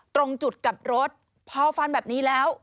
ตรงจุดกับรถพอฟันแบบนี้แล้ว